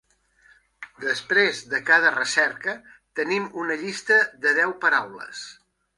Després de cada recerca tenim una llista de deu paraules.